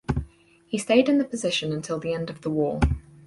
He stayed in the position until the end of the war.